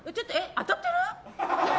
当たってる？